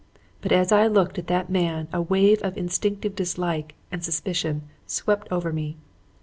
But as I looked at that man a wave of instinctive dislike and suspicion swept over me.